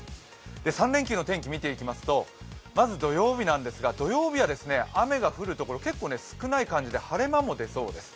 ３連休の天気見ていきますとまず土曜日は雨が降るところは結構少ない感じで晴れ間も出ます。